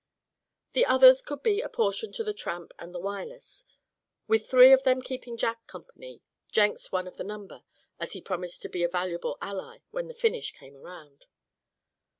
The others could be apportioned to the Tramp and the Wireless; with three of them keeping Jack company, Jenks one of the number, as he promised to be a valuable ally when the finish came around.